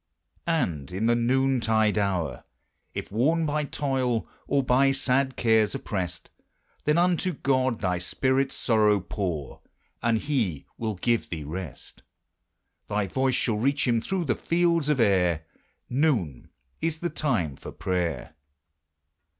And in the noontide hour, If worn by toil, or by sad cares oppressed, Then unto God thy spirit's sorrow pour, And he will give thee rest: Thy voice shall reach him through the fields of air: Noon is the time for prayer!